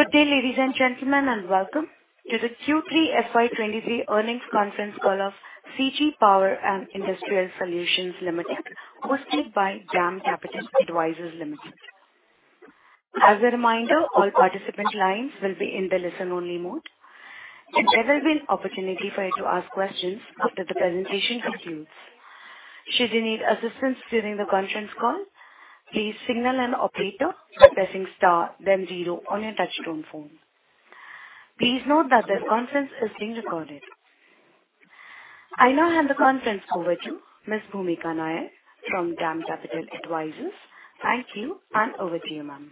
Good day, ladies and gentlemen, and welcome to the Q3 FY 2023 Earnings Conference Call of CG Power & Industrial Solutions Limited, hosted by DAM Capital Advisors Limited. As a reminder, all participant lines will be in the listen only mode, and there will be an opportunity for you to ask questions after the presentation concludes. Should you need assistance during the conference call, please signal an operator by pressing star then zero on your touchtone phone. Please note that this conference is being recorded. I now hand the conference over to Ms. Bhoomika Nair from DAM Capital Advisors. Thank you, and over to you, ma'am.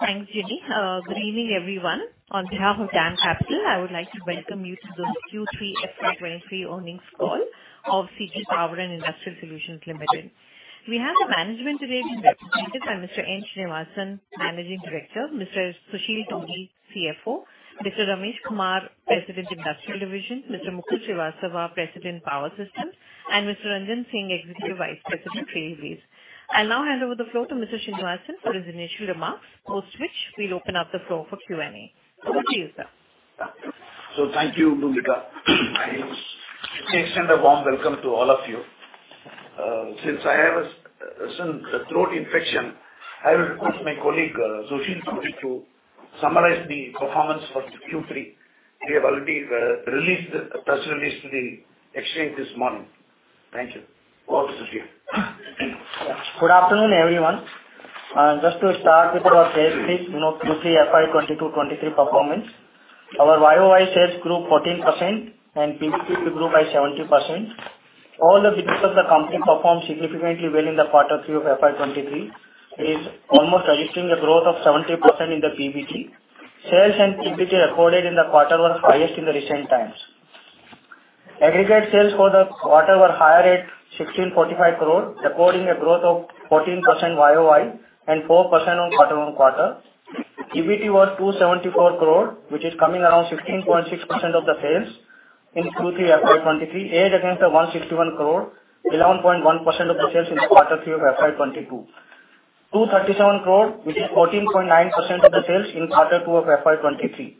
Thanks, Jenny. Good evening, everyone. On behalf of DAM Capital, I would like to welcome you to the Q3 FY 2023 earnings call of CG Power and Industrial Solutions Limited. We have the management today being represented by Mr. N. Srinivasan, Managing Director, Mr. Susheel Todi, CFO, Mr. Ramesh Kumar, President, Industrial Division, Mr. Mukul Srivastava, President, Power Systems, and Mr. Ranjan Singh, Executive Vice President, Heavy Duty. I'll now hand over the floor to Mr. Srinivasan for his initial remarks, post which we'll open up the floor for Q&A. Over to you, sir. Thank you, Bhumika. I extend a warm welcome to all of you. Since I have a throat infection, I will request my colleague, Susheel Todi to summarize the performance for Q3. We have already released the press release to the exchange this morning. Thank you. Over to Sushil. Good afternoon, everyone. Just to start with our safe, quick note, Q3 FY 2022, 2023 performance. Our year-over-year sales grew 14% and PBT grew by 70%. All the businesses of the company performed significantly well in the Q3 of FY 2023, is almost registering a growth of 70% in the PBT. Sales and PBT recorded in the quarter were highest in the recent times. Aggregate sales for the quarter were higher at 1,645 crore, recording a growth of 14% year-over-year and 4% on quarter-on-quarter. PBT was 274 crore, which is coming around 16.6% of the sales in Q3 FY 2023, as against the 161 crore, 11.1% of the sales in the Q3 of FY 2022. 237 crore, which is 14.9% of the sales in Q2 of FY 2023.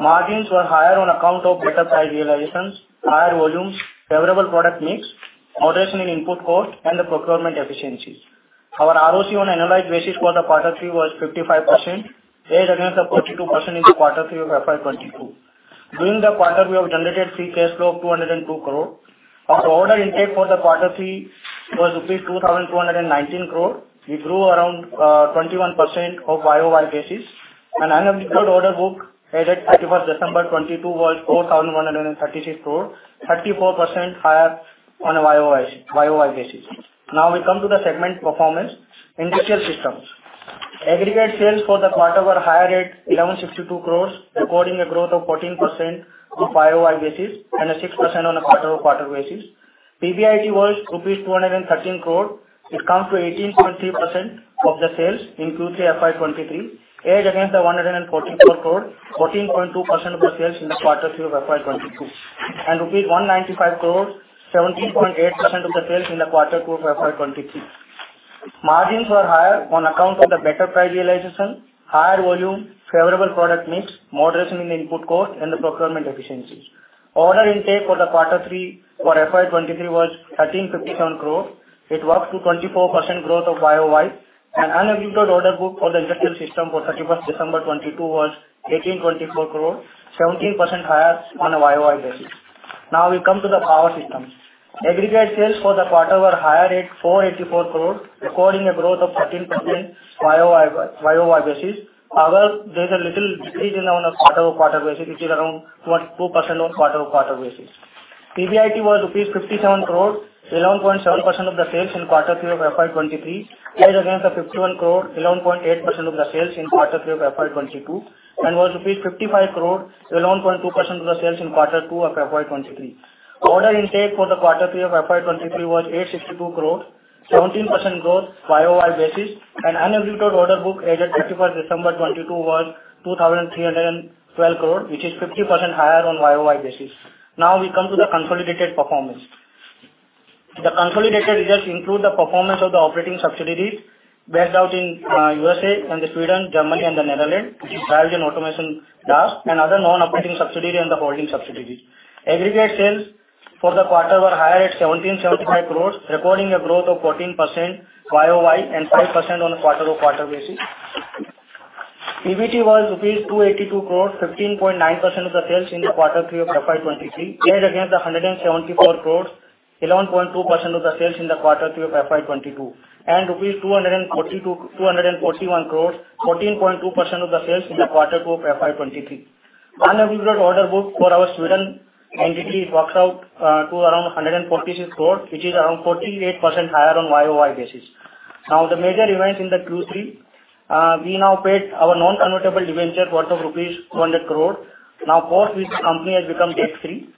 Margins were higher on account of better price realizations, higher volumes, favorable product mix, moderation in input cost, and the procurement efficiencies. Our ROC on analyzed basis for Q3 was 55%, as against the 42% in Q3 of FY 2022. During the quarter, we have generated free cash flow of 202 crore. Our order intake for Q3 was rupees 2,219 crore. We grew around 21% on year-over-year basis. Unexecuted order book ao at 31st December 2022 was 4,136 crore, 34% higher on a year-over-year basis. We come to the segment performance. Industrial Systems. Aggregate sales for the quarter were higher at 1,162 crore, recording a growth of 14% on year-over-year basis and 6% on a quarter-over-quarter basis. PBIT was rupees 213 crore. It comes to 18.3% of the sales in Q3 FY 2023, as against INR 144 crore, 14.2% of the sales in Q3 FY 2022, and INR 195 crore, 17.8% of the sales in Q2 FY 2023. Margins were higher on account of the better price realization, higher volume, favorable product mix, moderation in input cost and the procurement efficiencies. Order intake for Q3 FY 2023 was 1,357 crore. It was to 24% growth of year-over-year and unexecuted order book for the industrial system for 31st December 2022 was 1,824 crore, 17% higher on a year-over-year basis. We come to the power systems. Aggregate sales for the quarter were higher at 484 crore, recording a growth of 13% year-over-year basis. There's a little decrease on a quarter-over-quarter basis, which is around 2.2% on quarter-over-quarter basis. PBIT was rupees 57 crore, 11.7% of the sales in quarter three of FY 2023, as against the 51 crore, 11.8% of the sales in quarter three of FY 2022, and was rupees 55 crore, 11.2% of the sales in quarter two of FY 2023. Order intake for the Q3 of FY 2023 was 862 crore, 17% growth year-over-year basis. Unexecuted order book as at 31st December 2022 was 2,312 crore, which is 50% higher on year-over-year basis. We come to the consolidated performance. The consolidated results include the performance of the operating subsidiaries based out in USA and Sweden, Germany and the Netherlands, which is Drives and Automation, and other non-operating subsidiary and the holding subsidiaries. Aggregate sales for the quarter were higher at 1,775 crores, recording a growth of 14% year-over-year and 5% on a quarter-over-quarter basis. PBT was INR 282 crores, 15.9% of the sales in the quarter three of FY 2023, as against the INR 174 crores, 11.2% of the sales in the quarter three of FY 2022, and INR 241 crores, 14.2% of the sales in the quarter two of FY 2023. Unexecuted order book for our Sweden entity works out to around 146 crore, which is around 48% higher on year-over-year basis. The major events in the Q3. We now paid our non-convertible debenture worth of rupees 200 crore. Post which the company has become debt free.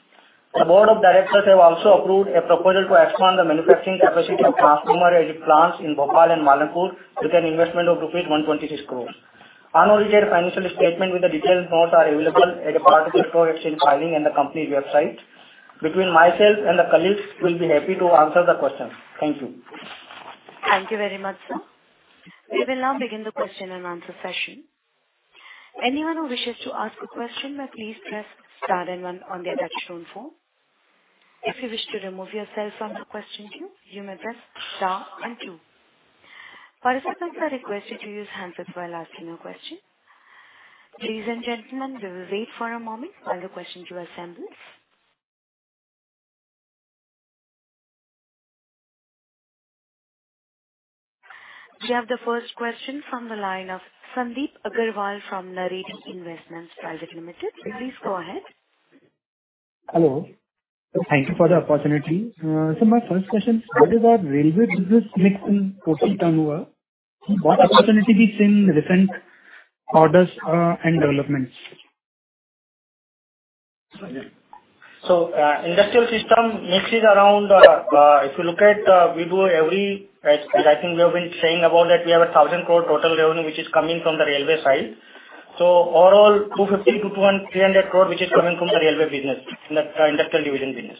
The Board of Directors have also approved a proposal to expand the manufacturing capacity of transformer aid plants in Bhopal and Malanpur with an investment of INR 126 crores. Unaudited financial statement with the detailed notes are available at our particular exchange filing in the company website. Between myself and the colleagues, we'll be happy to answer the questions. Thank you. Thank you very much, sir. We will now begin the question and answer session. Anyone who wishes to ask a question may please press star and one on their touchtone phone. If you wish to remove yourself from the question queue, you may press star and two. Participants are requested to use handsets while asking a question. Ladies and gentlemen, we will wait for a moment while the questions were assembled. We have the first question from the line of Sandeep Agarwal from Naredi Investment Private Limited. Please go ahead. Hello. Thank you for the opportunity. My first question, what is our railway business mix in total turnover? What opportunity we've seen in recent orders, and developments? Industrial system mix is around, if you look at, As I think we have been saying about that we have a 1,000 crore total revenue which is coming from the railway side. Overall, 250 crore-300 crore which is coming from the railway business, in that, industrial division business.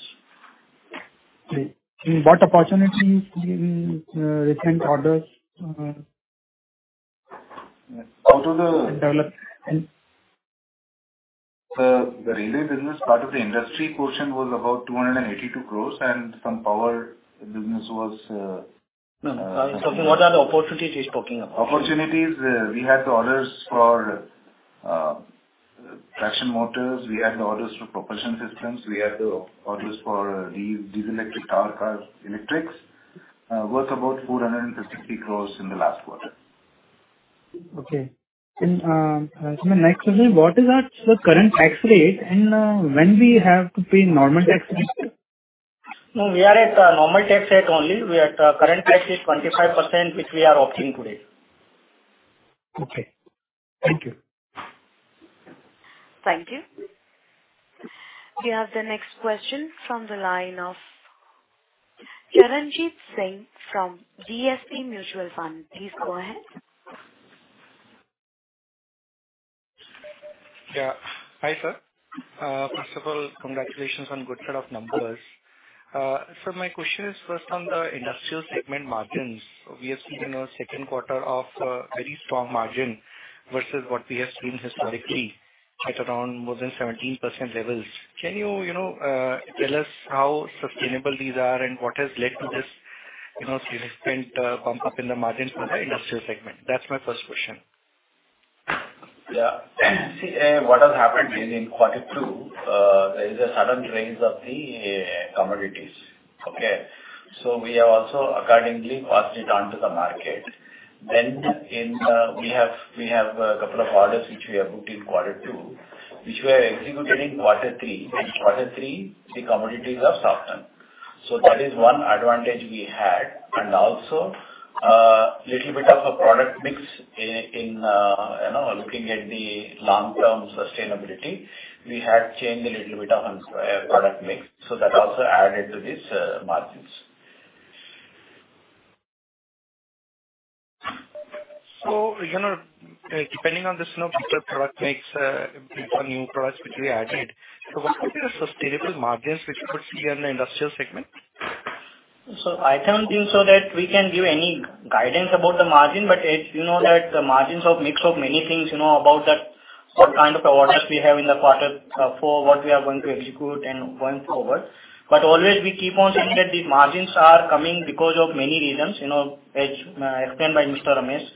Okay. What opportunities in recent orders? Out of the- [development] The Railway Business, part of the industry portion was about 282 crores and some Power Business was. No, sorry. What are the opportunities you're talking about? Opportunities, we had the orders for traction motors. We had the orders for propulsion systems. We had the orders for these electric tower cars, electrics, worth about 450 crores in the last quarter. Okay. My next question, what is our current tax rate and when we have to pay normal tax rate? No, we are at normal tax rate only. We are at current tax rate 25%, which we are opting today. Okay. Thank you. Thank you. We have the next question from the line of Charanjit Singh from DSP Mutual Fund. Please go ahead. Yeah. Hi, sir. First of all, congratulations on good set of numbers. My question is first on the industrial segment margins. We have seen a second quarter of very strong margin versus what we have seen historically at around more than 17% levels. Can you know, tell us how sustainable these are and what has led to this, you know, significant bump up in the margins for the industrial segment? That's my first question. Yeah. See, what has happened is in quarter two, there is a sudden rise of the commodities. Okay? We have also accordingly passed it on to the market. We have a couple of orders which we have booked in quarter two, which we are executing in quarter three. In quarter three, the commodities have softened. That is one advantage we had. Also, little bit of a product mix in, you know, looking at the long-term sustainability, we had changed a little bit of product mix. That also added to these margins. You know, depending on this, you know, product mix, new products which we added, so what could be the sustainable margins which you could see here in the industrial segment? I don't think so that we can give any guidance about the margin, but it, you know that the margins of mix of many things, you know about that, what kind of orders we have in the quarter, for what we are going to execute and going forward. Always we keep on saying that these margins are coming because of many reasons, you know, as explained by Mr. Ramesh,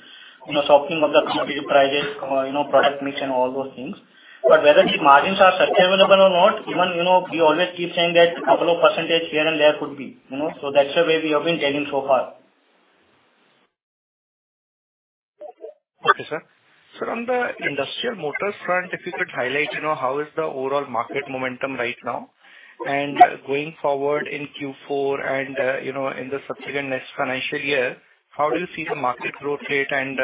you know, softening of the competitive prices or, you know, product mix and all those things. Whether these margins are sustainable or not, even, you know, we always keep saying that couple of percentage here and there could be, you know. That's the way we have been telling so far. Okay, sir. Sir, on the industrial motor front, if you could highlight, you know, how is the overall market momentum right now? Going forward in Q4 and, you know, in the subsequent next financial year, how do you see the market growth rate and,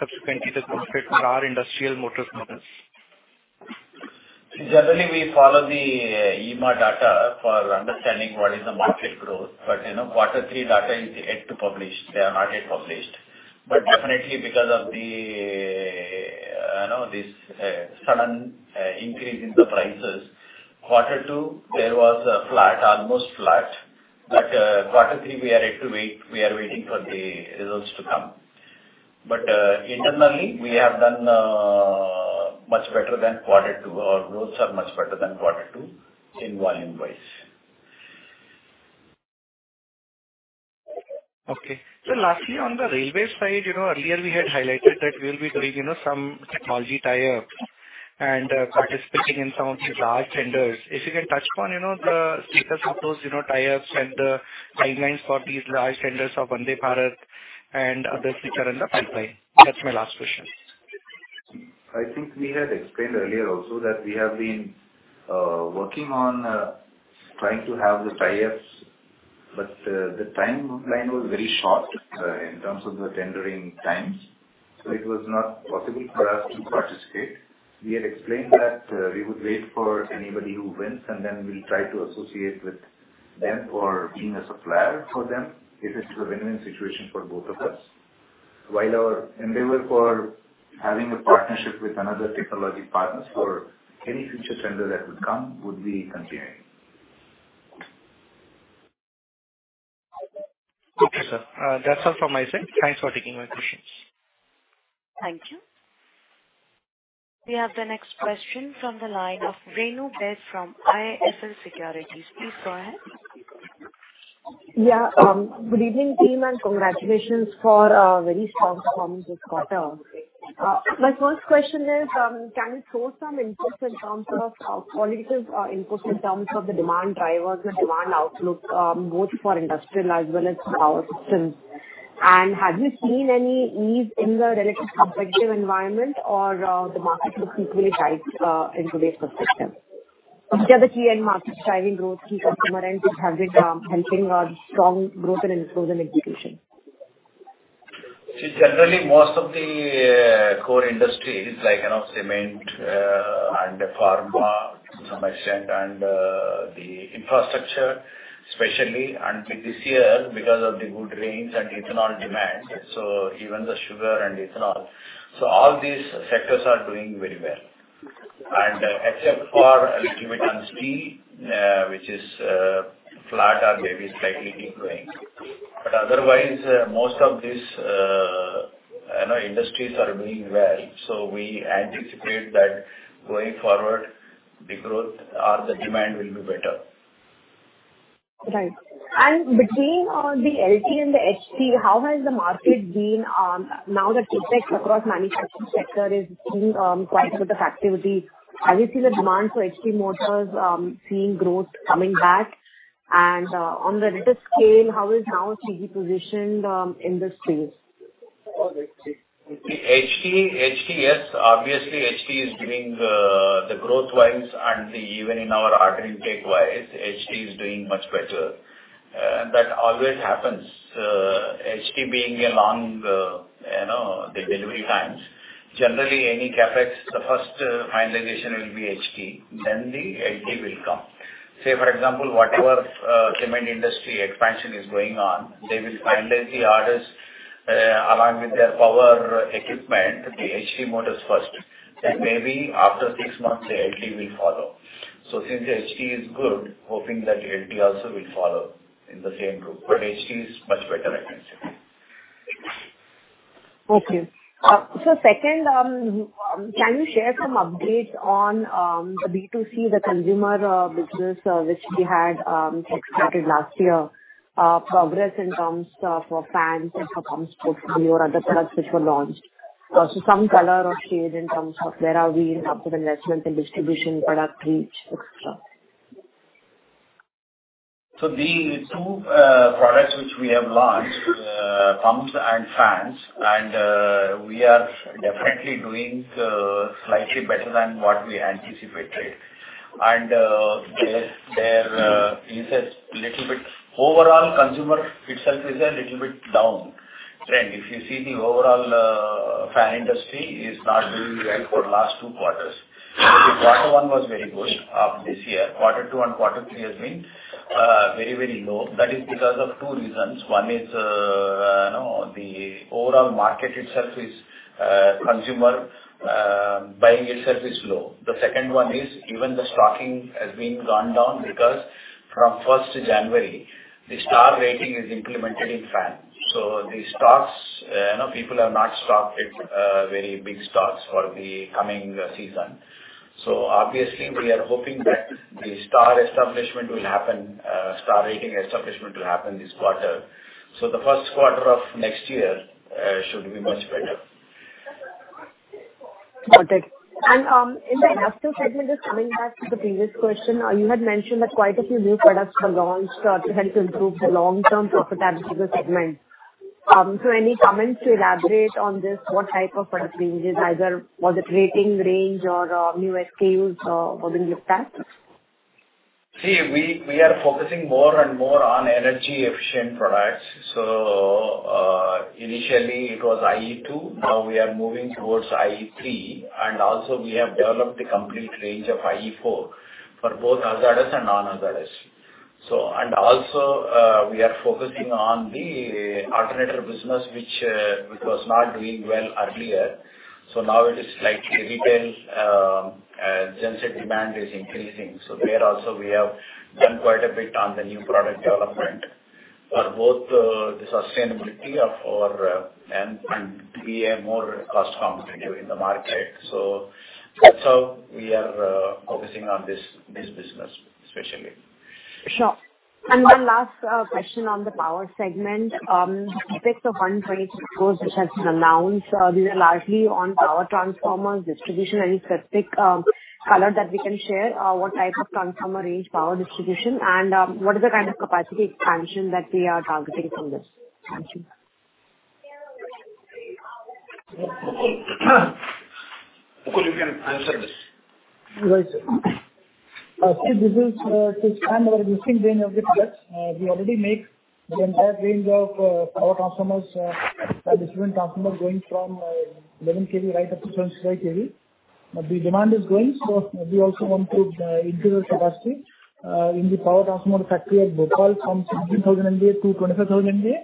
subsequently the growth rate for our industrial motor business? Generally, we follow the IEEMA data for understanding what is the market growth. You know, quarter three data is yet to publish. They are not yet published. Definitely because of the, you know, this sudden increase in the prices, quarter two, there was a flat, almost flat. Quarter three, we are yet to wait. We are waiting for the results to come. Internally we have done much better than quarter two. Our growth are much better than quarter two in volume-wise. Okay. Lastly, on the railway side, you know, earlier we had highlighted that we will be doing, you know, some technology tie-up and participating in some of these large tenders. If you can touch upon, you know, the status of those, you know, tie-ups and the timelines for these large tenders of Vande Bharat and others which are in the pipeline? That's my last question. I think we had explained earlier also that we have been working on trying to have the tie-ups, but the timeline was very short in terms of the tendering times, so it was not possible for us to participate. We had explained that we would wait for anybody who wins, and then we'll try to associate with them for being a supplier for them if it's a win-win situation for both of us. Our endeavor for having a partnership with another technology partners for any future tender that would come would be continuing. Okay, sir. That's all from my side. Thanks for taking my questions. Thank you. We have the next question from the line of Renu Baid from IIFL Securities. Please go ahead. Yeah. Good evening team, congratulations for a very strong performance this quarter. My first question is, can you throw some insights in terms of qualitative inputs in terms of the demand drivers or demand outlook, both for industrial as well as Power Systems? Have you seen any ease in the relative competitive environment or the market looks equally tight in today's system? Which are the key end market driving growth, key customer ends which have been helping strong growth in this growth and execution? See, generally, most of the core industries like, you know, cement, and pharma to some extent, and the infrastructure especially, and with this year because of the good rains and ethanol demand, so even the sugar and ethanol. All these sectors are doing very well. Except for a little bit on steel, which is flat or maybe slightly declining. Otherwise, most of these, I know industries are doing well, so we anticipate that going forward the growth or the demand will be better. Right. Between the LT and the HT, how has the market been, now that CapEx across manufacturing sector is seeing quite a bit of activity? Have you seen the demand for HT motors, seeing growth coming back? On the latest scale, how is now TMEIC positioned in this space? The HT, yes. Obviously, HT is doing the growth-wise and the even in our ordering take wise, HT is doing much better. That always happens. HT being a long, you know, the delivery times. Generally any CapEx, the first finalization will be HT, then the LT will come. Say, for example, whatever cement industry expansion is going on, they will finalize the orders along with their power equipment, the HT motors first. Maybe after six months the LT will follow. Since the HT is good, hoping that the LT also will follow in the same group. HT is much better, I can say. Okay. Second, can you share some updates on the B2C, the consumer business, which we had expected last year, progress in terms of, for fans and for pumps, both new or other products which were launched? Also some color or shade in terms of where are we in terms of investment and distribution, product reach, et cetera. The two products which we have launched, pumps and fans, we are definitely doing slightly better than what we anticipated. Overall consumer itself is a little bit downtrend. If you see the overall fan industry is not doing well for last two quarters. The quarter one was very good of this year. Quarter two and quarter three has been very low. That is because of two reasons. One is, you know, the overall market itself is consumer buying itself is low. The second one is even the stocking has been gone down because from 1st January, the Star Rating is implemented in fan. The stocks, you know, people have not stocked it very big stocks for the coming season. obviously we are hoping that the star establishment will happen, Star Rating establishment will happen this quarter. The first quarter of next year, should be much better. Got it. In the industrial segment, just coming back to the previous question, you had mentioned that quite a few new products were launched to help improve the long-term profitability of the segment. Any comments to elaborate on this? What type of product ranges, either for the rating range or, new SKUs within this pack? See, we are focusing more and more on energy efficient products. Initially it was IE2, now we are moving towards IE3, and also we have developed a complete range of IE4 for both hazardous and non-hazardous. And also, we are focusing on the alternator business, which was not doing well earlier. Now it is slightly retail, since the demand is increasing. There also we have done quite a bit on the new product development for both the sustainability of our and be a more cost-competitive in the market. That's how we are focusing on this business especially. Sure. One last question on the power segment. CapEx of 123 crores which has been announced, these are largely on power transformers distribution. Any specific color that we can share, what type of transformer is power distribution and, what is the kind of capacity expansion that we are targeting from this? Thank you. Mukul, you can answer this. Right, sir. See this is to expand our existing range of the products. We already make the entire range of power transformers and different transformer going from 11 KV right up to 75 KV. The demand is going, so we also want to increase our capacity in the power transformer factory at Bhopal from 17,000 MVA to 25,000 MVA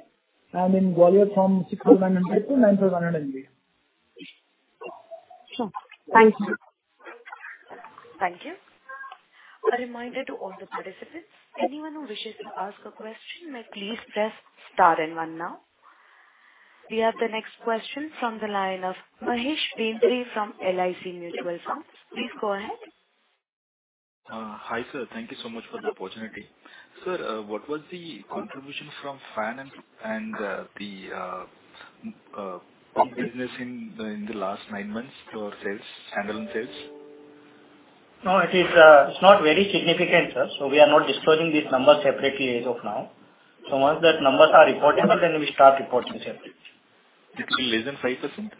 and in Gwalior from 6,100 to 9,100 MVA. Sure. Thanks. Thank you. A reminder to all the participants, anyone who wishes to ask a question may please press star and one now. We have the next question from the line of Mahesh Bendre from LIC Mutual Fund. Please go ahead. Hi, sir. Thank you so much for the opportunity. Sir, what was the contribution from finance and the business in the last nine months to our sales, standalone sales? No, it is, it's not very significant, sir. We are not disclosing these numbers separately as of now. Once that numbers are reportable, then we start reporting separately. It will be less than 5%?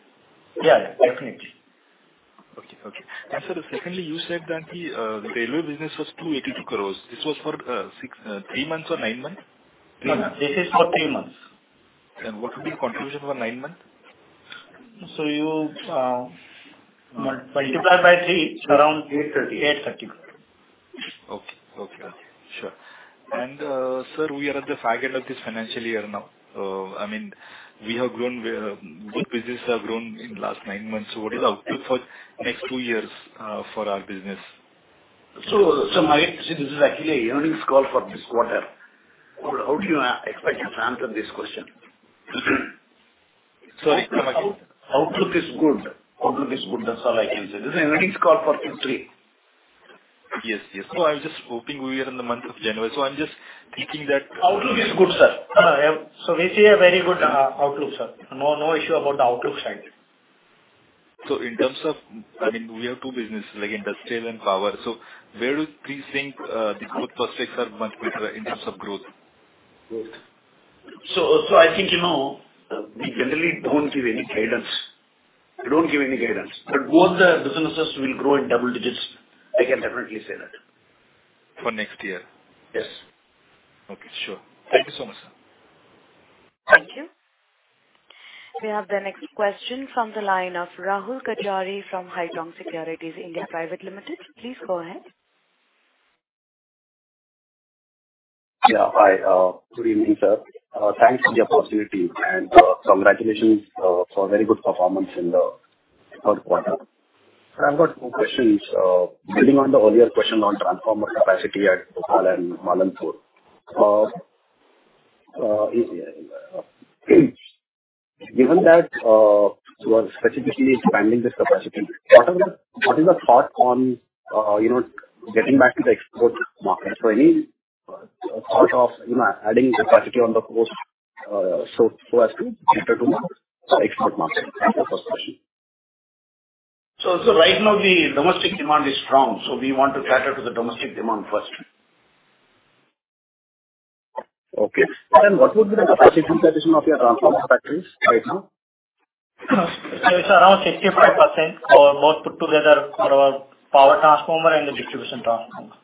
Yeah, definitely. Okay. Okay. Sir, secondly, you said that the railway business was 282 crores. This was for, three months or nine months?. No, this is for three months. What would be the contribution for nine months? You multiply by three, it's around... 830 crores. 830 crores. Okay. Okay. Sure. Sir, we are at the far end of this financial year now. I mean, we have grown, both businesses have grown in last nine months. What is the outlook for next two years, for our business? See, this is actually a earnings call for this quarter. How do you expect us to answer this question? Sorry. Outlook is good. That's all I can say. This is an earnings call for Q3. Yes, yes. No, I'm just hoping we are in the month of January, so I'm just thinking that- Outlook is good, sir. We see a very good outlook, sir. No issue about the outlook side. In terms of, I mean, we have two businesses, like, industrial and power. Where do you think the good prospects are much better in terms of growth? Growth. I think, you know, we generally don't give any guidance. Both the businesses will grow in double digits. I can definitely say that. For next year? Yes. Okay, sure. Thank you so much, sir. Thank you. We have the next question from the line of Rahul Gajare from Haitong Securities India Private Limited. Please go ahead. Yeah. Hi. Good evening, sir. Thanks for the opportunity and congratulations for very good performance in the third quarter. I've got two questions. Building on the earlier question on transformer capacity at Bhopal and Malanpur. Given that you are specifically expanding this capacity, what is the thought on, you know, getting back to the export market? Any thought of, you know, adding capacity on the coast, so as to cater to more export market? That's the first question. Right now the domestic demand is strong, we want to cater to the domestic demand first. Okay. What would be the capacity utilization of your transformer factories right now? it's around 65% for both put together for our power transformer and the distribution transformer.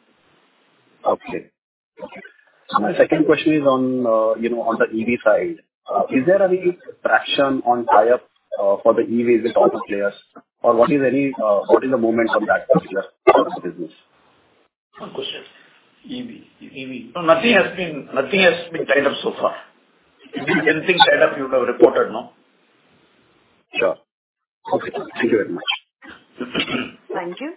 Okay. My second question is on, you know, on the EV side. Is there any traction on tie-up for the EVs with auto players or what is any, what is the movement from that particular business? No, nothing has been tied up so far. Anything tied up, we would have reported, no? Sure. Okay. Thank you very much. Thank you.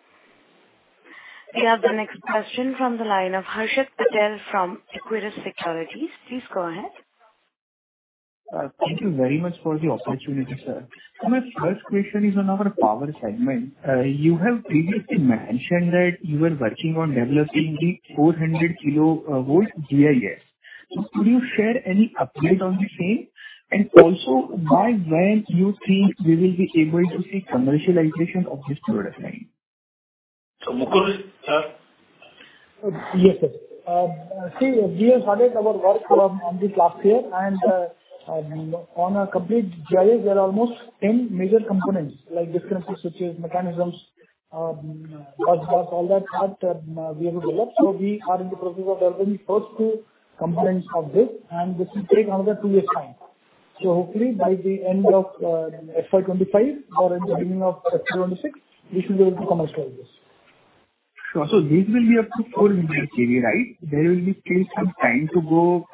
We have the next question from the line of Harshit Patel from Equirus Securities. Please go ahead. Thank you very much for the opportunity, sir. My first question is on our power segment. You have previously mentioned that you are working on developing the 400 KV GIS. Could you share any update on the same? Also, by when you think we will be able to see commercialization of this product line? Mukul, sir. Yes, sir. See, we have started our work on this last year and on a complete GIS, there are almost 10 major components like differences, switches, mechanisms, busbars, all that we have developed. We are in the process of developing first two components of this, and this will take another two years' time. Hopefully by the end of FY 2025 or in the beginning of FY 2026, we should be able to commercialize this. Sure. This will be up to 400 KV, right? There will be still some time to go,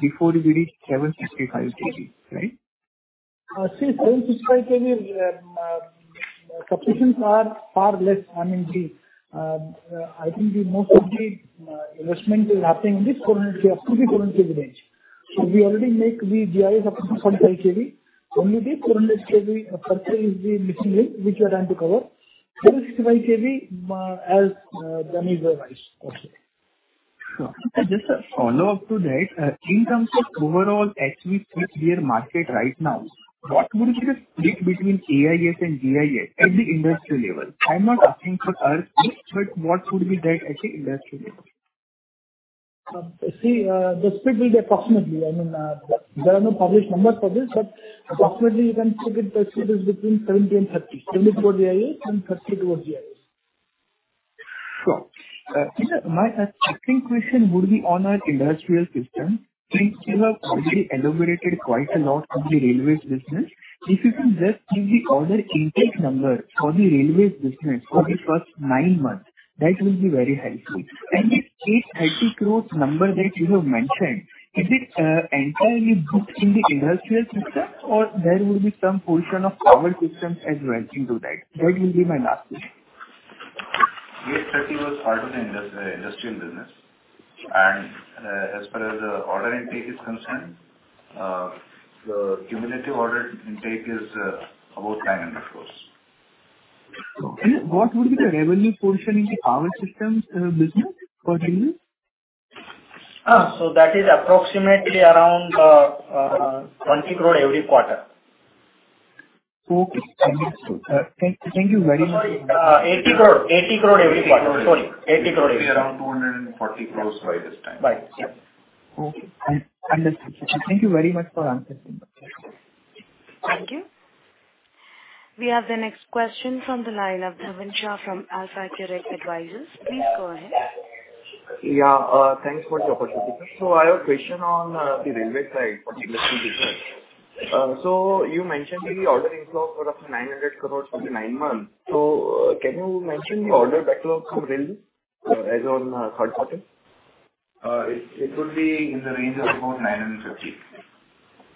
before we reach 755 KV, right? See, 755 KV, subscriptions are far less. I mean, the, I think the most of the investment is happening in this 400 KV, up to the 400 KV range. We already make the GIS up to 400 KV. Only the 400 KV purchase is the missing link, which we are trying to cover. 755 KV, as and when required. Sure. Just a follow-up to that. In terms of overall HV switchgear market right now, what would be the split between AIS and GIS at the industry level? I'm not asking for earth, but what would be that at the industry level? See, the split will be approximately, I mean, there are no published numbers for this, but approximately you can say it is between 70-30, 70 towards AIS and 30 towards GIS. Sure. My second question would be on our industrial system. Since you have already elaborated quite a lot on the Railways Business, if you can just give the order intake number for the Railways Business for the first nine months, that will be very helpful. The 830 crores number that you have mentioned, is it entirely booked in the industrial system or there will be some portion of Power Systems as well into that? That will be my last question. INR 830 crores was part of the industrial business. As per as the order intake is concerned, the cumulative order intake is about 900 crores. Okay. What would be the revenue portion in the Power Systems business for? That is approximately around, 20 crore every quarter. Okay. Understood. Thank you very much I'm sorry. INR 80 crore every quarter. Sorry. INR 80 crore every It should be around 240 crores by this time. Right. Yeah. Okay. Understood. Thank you very much for answering. Thank you. We have the next question from the line of Dhavan Shah from AlfAccurate Advisors. Please go ahead. Yeah. Thanks for the opportunity. I have a question on the railway side, particularly. You mentioned the order inflow for up to 900 crores for the nine months. Can you mention the order backlog from railway as on third quarter? It would be in the range of about 950 crores.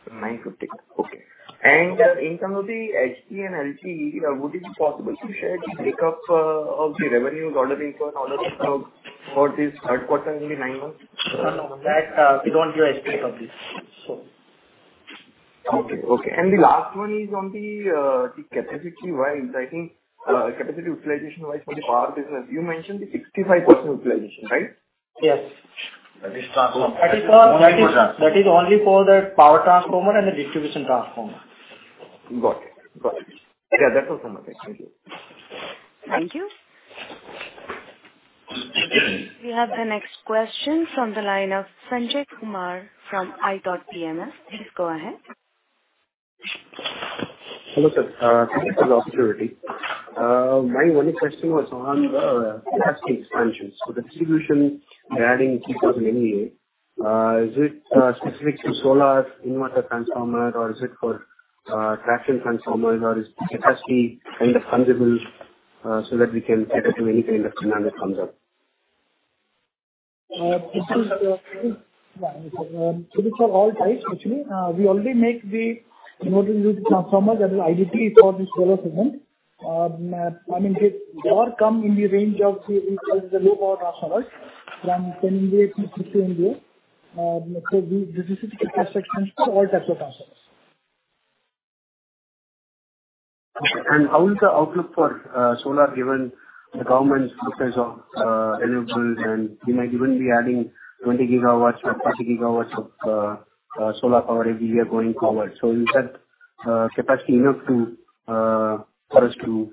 950 crores. Okay. In terms of the HP and LP, would it be possible to share the breakup of the revenues, order inflow and order book for this third quarter and the nine months? That we don't give a split of this. Okay. Okay. The last one is on the capacity wise, I think, capacity utilization wise for the power business, you mentioned the 65% utilization, right? Yes. That is transformer. That is for, that is only for the power transformer and the distribution transformer. Got it. Got it. That's all from my end. Thank you. Thank you. We have the next question from the line of Sanjay Kumar from iThought PMS. Please go ahead. Hello, sir. Thank you for the opportunity. My only question was on the capacity expansions. The distribution, you're adding 3,000 MVA. Is it specific to solar inverter transformer or is it for traction transformer or is the capacity kind of flexible so that we can cater to any kind of demand that comes up? This is, so this is for all types, actually. We already make the Inverter Duty Transformer, that is IDT, for the solar segment. I mean, it more come in the range of the, we call it the low power transformers, from 10 MVA to 50 MVA. So we do specific capacity expansion for all types of transformers. Okay. How is the outlook for solar, given the government's focus on renewables, and we might even be adding 20 GW or 30 GW of solar power every year going forward. So is that capacity enough to for us to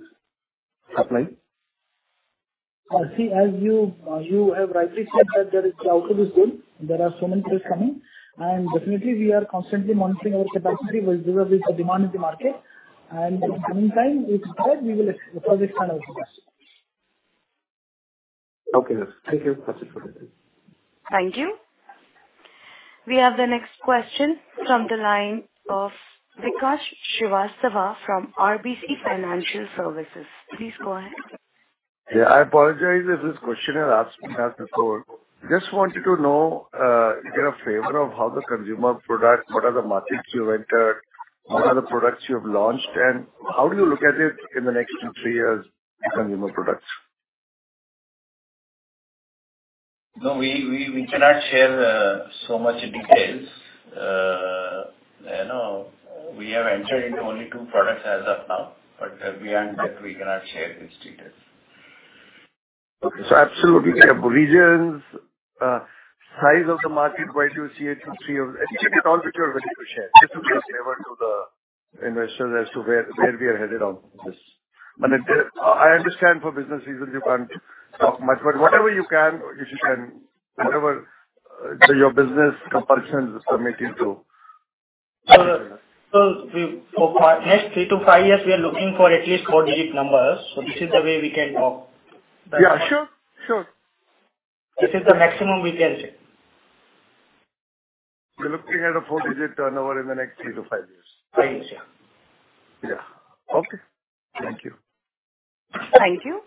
supply? See, as you have rightly said that there is the outlook is good. There are so many things coming. Definitely we are constantly monitoring our capacity where there is the demand in the market. In the meantime, if required, we will expand our capacity. Okay, sir. Thank you. That's it for today. Thank you. We have the next question from the line of Vikas Srivastava from RBC Financial Services. Please go ahead. Yeah. I apologize if this question has asked and answered before. Just wanted to know if you're in favor of how the consumer products, what are the markets you entered, what are the products you have launched, and how do you look at it in the next two, three years, the consumer products? No, we cannot share so much details. You know, we have entered into only two products as of now, but beyond that we cannot share the details. Okay. Absolutely like regions, size of the market, where do you see it in three years? Anything at all which you are ready to share just to give a flavor to the investors as to where we are headed on this. I mean, I understand for business reasons you can't talk much, but whatever you can, if you can, whatever your business compulsions permit you to. We for next three to five years, we are looking for at least four digit numbers. This is the way we can talk. Yeah, sure. Sure. This is the maximum we can say. We're looking at a four-digit turnover in the next three to five years. Right. Yeah. Yeah. Okay. Thank you. Thank you.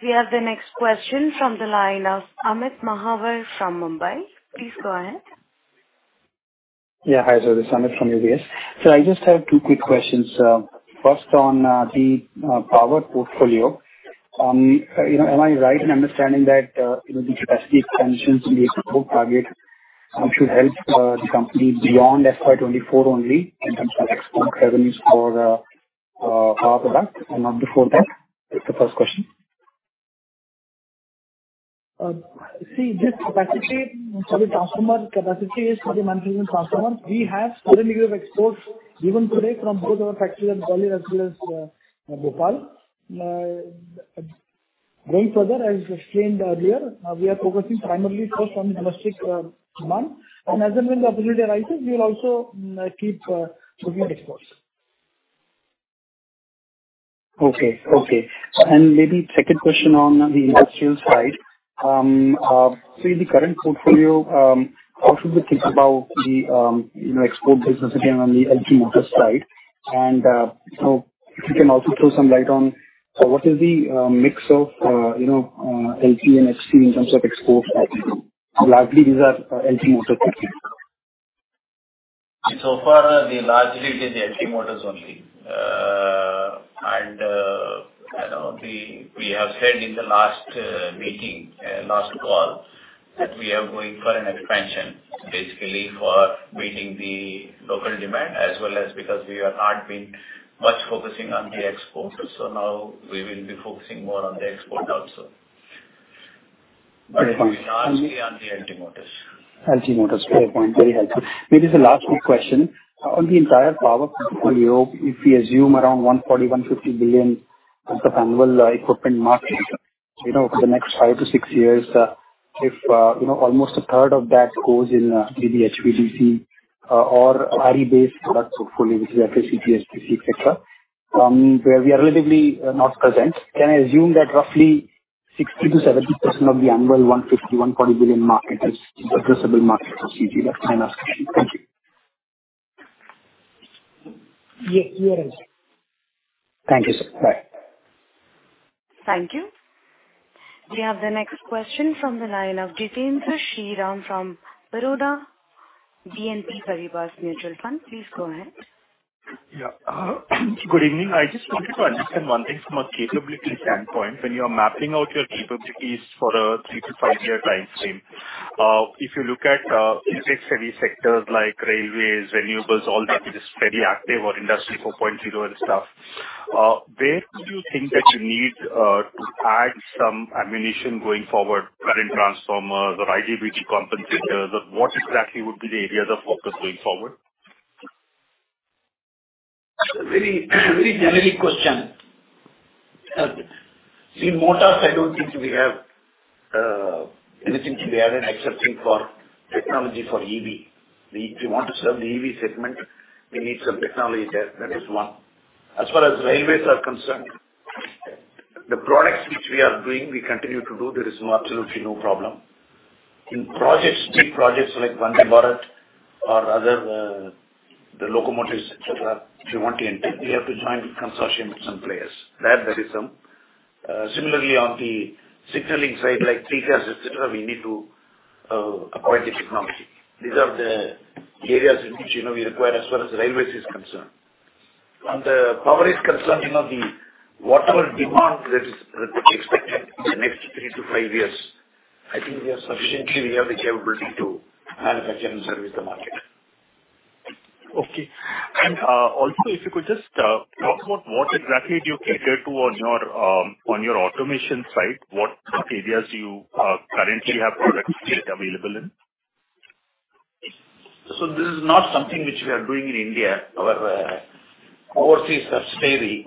We have the next question from the line of Amit Mahawar from Mumbai. Please go ahead. Yes, hi sir. This is Amit from UBS. right in understanding that, uh, you know, the capacity expansions in the export target should help the company beyond FY 2024 only in terms of export revenues for power product and not before that? That's the first question See this capacity for the transformer, capacity is for the manufacturing transformer. We have already given exports even today from both our factory at Gwalior as well as Bhopal. Going further, as explained earlier, we are focusing primarily first on the domestic demand. As and when the opportunity arises, we will also keep looking at exports. Okay. Okay. Maybe second question on the industrial side. Through the current portfolio, how should we think about the, you know, export business again on the LV Motors side? So if you can also throw some light on what is the mix of, you know, LV and HV in terms of exports, largely these are LV Motor. So far, the largely is LV Motors only. I know we have said in the last meeting, last call that we are going for an expansion basically for meeting the local demand as well as because we are not been much focusing on the exports. Now we will be focusing more on the export also. Okay. It will be largely on the LV Motors. LV Motors. Fair point. Very helpful. Maybe the last quick question. On the entire power portfolio, if we assume around 140 billion-150 billion is the annual equipment market, you know, for the next five to six years, if, you know, almost a third of that goes in maybe HVDC or RE-based products hopefully, which is FSDC, HDC, et cetera, where we are relatively not present, can I assume that roughly 60%-70% of the annual 150 billion-140 billion market is addressable market for CG left in our section? Thank you. Yes, we are in check. Thank you, sir. Bye. Thank you. We have the next question from the line of Jitendra Sriram from Baroda BNP Paribas Mutual Fund. Please go ahead. Yeah. Good evening. I just wanted to understand one thing from a capability standpoint. When you are mapping out your capabilities for a three to five year time stream, if you look at, impact-heavy sectors like railways, renewables, all that is very active or Industry 4.0 and stuff, where could you think that you need to add some ammunition going forward, current transformers or IGBT compensators or what exactly would be the areas of focus going forward? That's a very very generic question. In motors, I don't think we have anything to be added excepting for technology for EV. If you want to serve the EV segment, we need some technology there. That is one. As far as railways are concerned, the products which we are doing, we continue to do. There is no absolutely no problem. In projects, big projects like Vande Bharat or other, the locomotives, et cetera, if you want to enter, we have to join with consortium with some players. That there is some. Similarly on the signaling side, like TCAS, et cetera, we need to acquire the technology. These are the areas in which, you know, we require as far as railways is concerned. On the power is concerned, you know, the whatever demand that is, that is expected in the next three to five years, I think we are sufficiently, we have the capability to manufacture and service the market. Okay. Also if you could just talk about what exactly do you cater to on your on your automation side, what areas you currently have products available in? This is not something which we are doing in India. Our overseas subsidiary,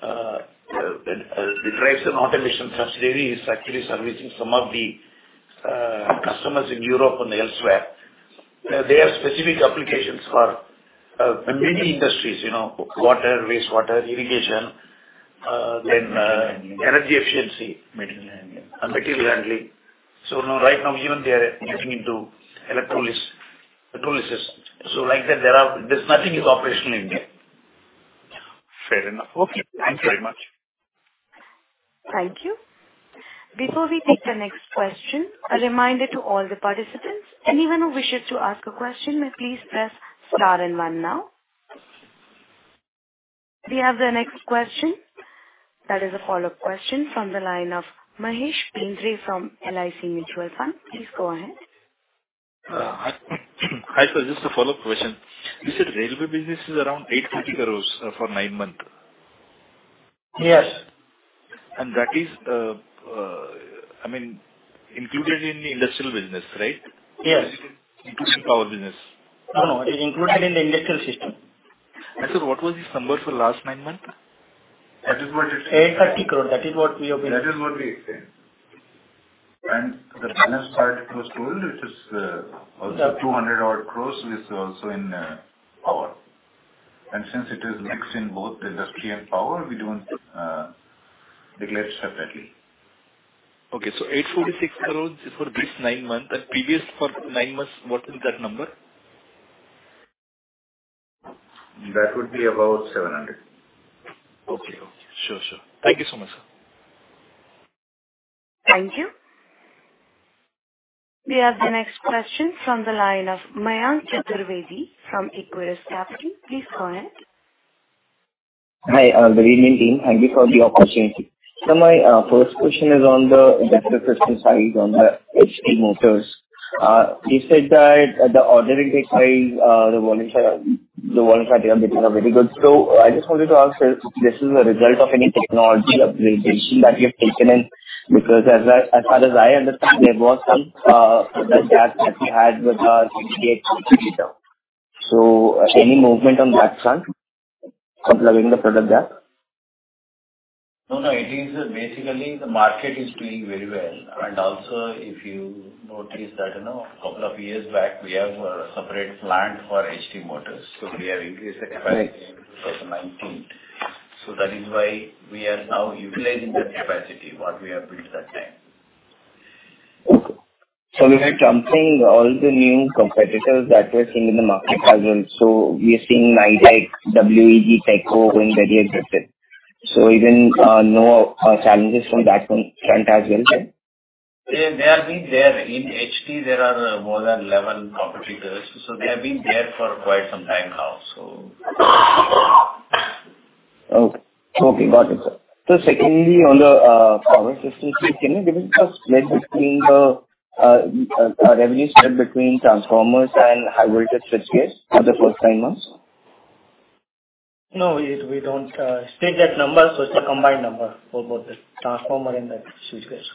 the Drives and Automation subsidiary is actually servicing some of the customers in Europe and elsewhere. They have specific applications for many industries, you know, water, wastewater, irrigation, then energy efficiency. Material handling. Now right now even they are getting into electrolysis. Like that there's nothing operational in India. Fair enough. Okay. Thank you. Thanks very much. Thank you. Before we take the next question, a reminder to all the participants, anyone who wishes to ask a question may please press star 1 now. We have the next question. That is a follow-up question from the line of Mahesh Bendre from LIC Mutual Fund. Please go ahead. Hi. Hi, sir. Just a follow-up question. You said Railways Business is around 830 crores, for nine month. Yes. That is, I mean, included in the industrial business, right? Yes. Included in power business. No, no. It's included in the industrial system. Sir, what was this number for last nine month? That is what it is. INR 830 crore. That is what we obtained. That is what we obtained. The balance part was told, which is, also 200 odd crores is also in power. Since it is mixed in both industry and power, we don't declare separately. Okay. 846 crores is for this nine month and previous for nine months, what is that number? That would be about 700 crores. Okay. Okay. Sure. Sure. Thank you so much, sir. Thank you. We have the next question from the line of Mayank Chaturvedi from Equirus Capital. Please go ahead. Hi. Good evening team. Thank you for the opportunity. My first question is on the electrical system side, on the HV Motors. You said that the ordering they try, the volume side they are getting are very good. I just wanted to ask if this is a result of any technology upgradation that you have taken in, because as far as I understand, there was some, the gap that we had with our competitor. Any movement on that front of plugging the product gap? No, no, it is basically the market is doing very well. Also if you notice that, you know, a couple of years back we have a separate plant for HT motors, so we have increased the capacity in 2019. That is why we are now utilizing that capacity what we have built that time. Okay. We are trumping all the new competitors that we are seeing in the market as well. We are seeing like WEG, TECO going very aggressive. Even, no, challenges from that front as well, sir? They have been there. In HT there are more than 11 competitors, so they have been there for quite some time now, so. Okay. Okay, got it, sir. Secondly, on the Power Systems suite, can you give me a split between the revenue split between transformers and high voltage switch gears for the first nine months? No, we don't split that number. It's a combined number for both the transformer and the switch gears.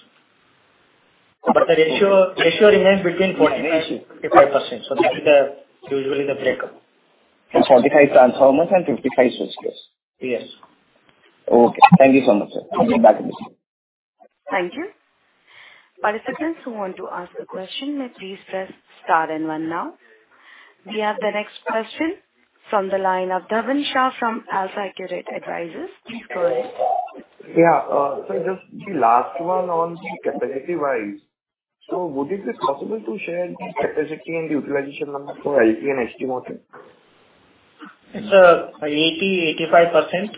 The ratio remains between 40%-55%. That is usually the breakup. 45% transformers and 55% switch gears. Yes. Okay, thank you so much, sir. I'll get back if necessary. Thank you. Participants who want to ask a question may please press star and 1 now. We have the next question from the line of Dhavan Shah from AlfAccurate Advisors. Please go ahead. Yeah. Just the last one on the capacity wise. Would it be possible to share the capacity and utilization numbers for LT and HT motors? It's 80%-85%.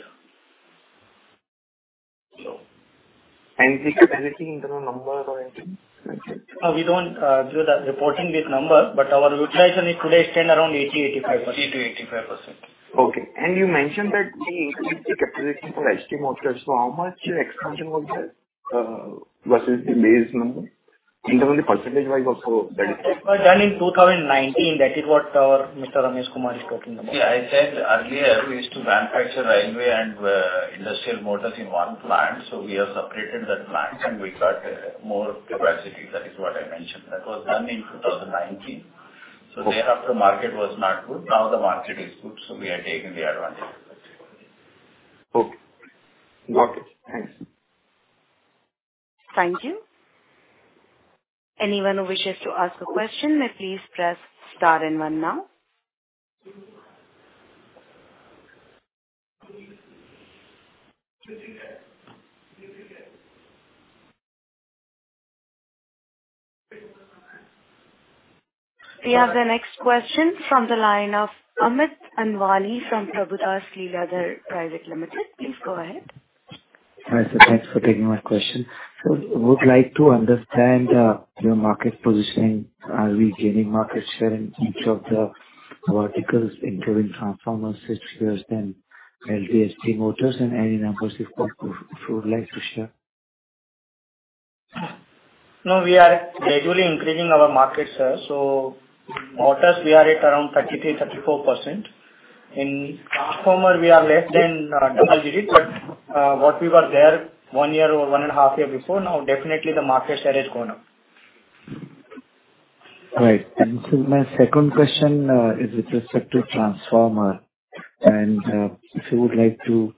The capacity in the number or anything? We don't do the reporting with number, but our utilization is today stand around 80%-85%. 80%-85%. Okay. You mentioned that the capacity for HT motors, so how much expansion was there versus the base number? In terms of percentage-wise or so that. That was done in 2019. That is what our Mr. Ramesh Kumar is talking about. I said earlier we used to manufacture railway and industrial motors in one plant, we have separated that plant and we got more capacity. That is what I mentioned. That was done in 2019. Okay. Thereafter market was not good. Now the market is good. We are taking the advantage of that. Okay. Got it. Thanks. Thank you. Anyone who wishes to ask a question may please press star and one now. We have the next question from the line of Amit Anwani from Prabhudas Lilladher Private Limited. Please go ahead. Hi, sir. Thanks for taking my question. Would like to understand your market positioning. Are we gaining market share in each of the verticals, including transformers, switchgears and LT, HT motors? Any numbers you've got if you would like to share. No, we are gradually increasing our market share. Motors we are at around 33%, 34%. In transformer we are less than double digit, but what we were there onw year or one and a half year before, now definitely the market share has gone up. Right. My second question, is with respect to transformer and, if you would like to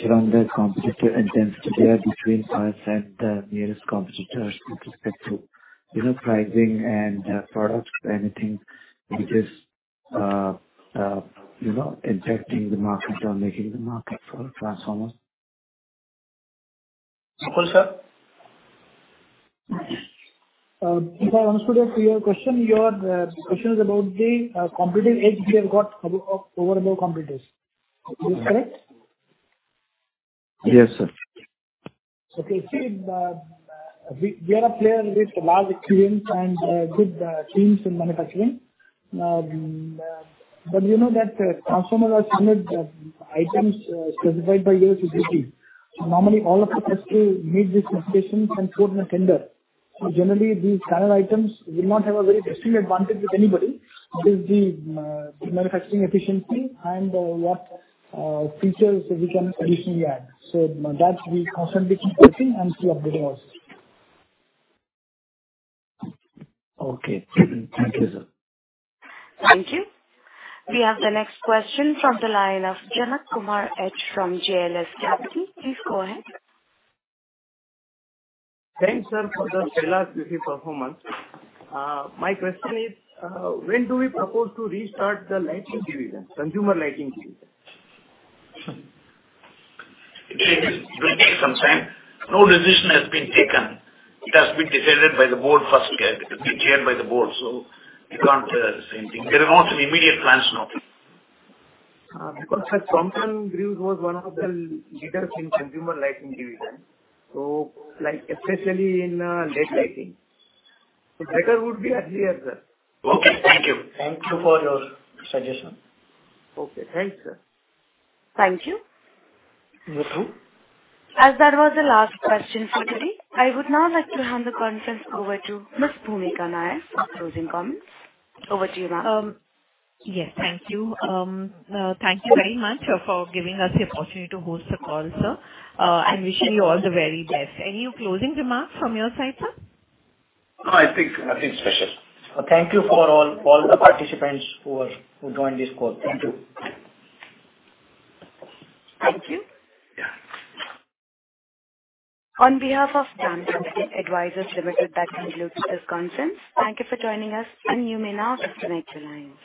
share on the competitor intensity there between us and the nearest competitors with respect to, you know, pricing and, products, anything which is, you know, impacting the market or making the market for transformer? Mukul, sir. If I understood your question, your question is about the competitive edge we have got over our competitors. Is this correct? Yes, sir. Okay. See, the, we are a player with large clients and good teams in manufacturing. You know that transformer are standard items specified by IEC. Normally all of us has to meet these specifications and put in a tender. Generally these standard items will not have a very distinct advantage with anybody. It is the manufacturing efficiency and what features we can additionally add. That we constantly keep working and keep updating also. Okay. Thank you, sir. Thank you. We have the next question from the line of Janak Kumar H from JLS Capital. Please go ahead. Thanks, sir, for the stellar Q3 performance. My question is, when do we propose to restart the lighting division, consumer lighting division? It will take some time. No decision has been taken. It has been decided by the board first, it has to be chaired by the board, so we can't say anything. There are no some immediate plans, no. Because Sir Crompton Greaves was one of the leaders in consumer lighting division, like especially in LED lighting. Better would be earlier, sir. Okay, thank you. Thank you for your suggestion. Okay. Thanks, sir. Thank you. You're welcome. As that was the last question for today, I would now like to hand the conference over to Ms. Bhoomika Nair for closing comments. Over to you, ma'am. Yes, thank you. Thank you very much for giving us the opportunity to host the call, sir. Wishing you all the very best. Any closing remarks from your side, sir? No, I think nothing special. Thank you for all the participants who joined this call. Thank you. Thank you. On behalf of DAM Capital Advisors Limited, that concludes this conference. Thank you for joining us. You may now disconnect your lines.